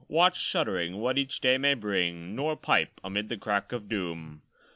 Watch, shuddering, what each day may bring: Nor 'pipe amid the crack of doom.'